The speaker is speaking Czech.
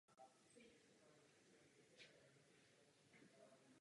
Jeho myšlenky se zejména mezi nižšími vrstvami společnosti rychle šířily.